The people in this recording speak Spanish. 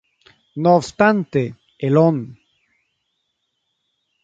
No obstante, el Hon.